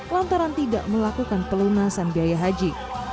lantaran tidak melakukan pelunasan biaya haji